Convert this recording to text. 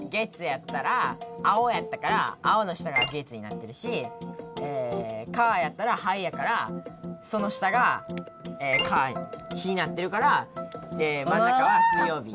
やったら青やったから青の下が「月」になってるし「火」やったら灰やからその下が「火」になってるからまん中は水曜日。